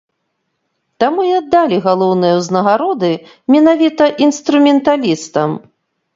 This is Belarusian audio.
Таму і аддалі галоўныя ўзнагароды менавіта інструменталістам.